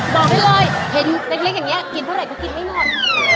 บอกให้เลยในคลิกอย่างเนี้ยกินเท่าไหร่ก็กินไม่นอน